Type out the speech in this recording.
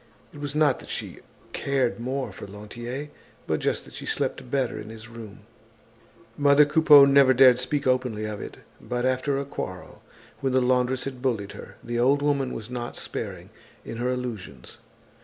It was not that she cared more for Lantier, but just that she slept better in his room. Mother Coupeau never dared speak openly of it. But after a quarrel, when the laundress had bullied her, the old woman was not sparing in her allusions.